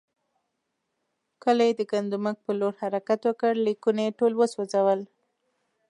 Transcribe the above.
کله یې د ګندمک پر لور حرکت وکړ، لیکونه یې ټول وسوځول.